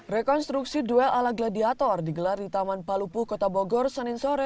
rekonstruksi duel ala gladiator digelar di taman palupu kota bogor